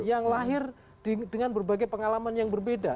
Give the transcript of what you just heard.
yang lahir dengan berbagai pengalaman yang berbeda